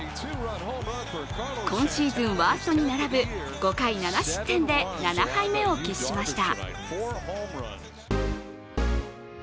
今シーズンワーストに並ぶ５回７失点で７敗目を喫しました。